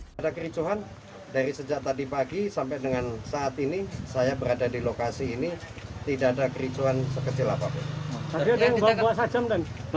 ada kericuhan dari sejak tadi pagi sampai dengan saat ini saya berada di lokasi ini tidak ada kericuhan sekecil apapun